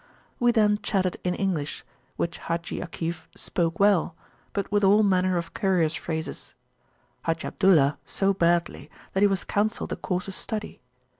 We then chatted in English, which Haji Akif spoke well, but with all manner of couriers phrases; Haji Abdullah so badly, that he was counselled a course of study.